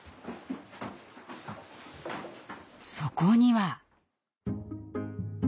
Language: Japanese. そこには。